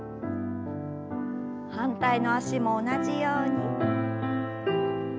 反対の脚も同じように。